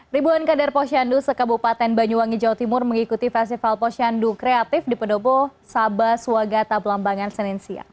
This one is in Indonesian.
ribuan kader posyandu sekabupaten banyuwangi jawa timur mengikuti festival posyandu kreatif di pendopo sabah swagata belambangan senin siang